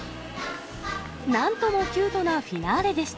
なんともキュートなフィナーレでした。